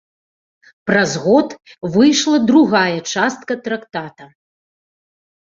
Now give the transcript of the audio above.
Праз год выйшла другая частка трактата.